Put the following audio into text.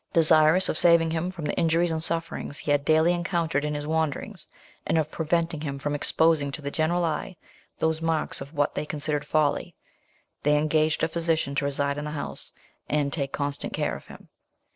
Desirous of saving him from the injuries and sufferings he had daily encountered in his wanderings, and of preventing him from exposing to the general eye those marks of what they considered folly, they engaged a physician to reside in the house, and take constant care of him.